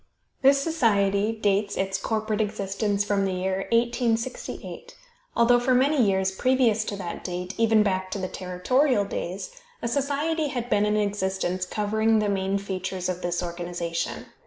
This society dates its corporate existence from the year 1868, although for many years previous to that date, even back to the territorial days, a society had been in existence covering the main features of this organization.